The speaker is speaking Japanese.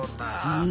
うん。